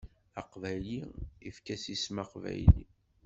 Aqbayli efk-as isem aqbayli.